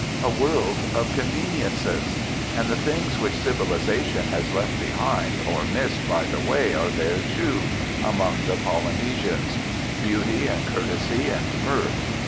A world of conveniences. And the things which civilisation has left behind or missed by the way are there, too, among the Polynesians: beauty and courtesy and mirth.